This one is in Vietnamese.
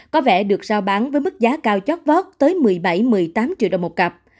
có vẻ được sao bán với mức giá cao chót vót tới một mươi bảy một mươi tám triệu đồng một cặp